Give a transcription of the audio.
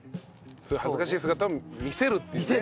そういう恥ずかしい姿を見せるっていうね。